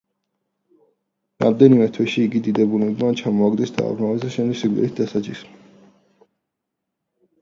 რამდენიმე თვეში იგი დიდებულებმა ჩამოაგდეს, დააბრმავეს და შემდეგ სიკვდილით დასაჯეს.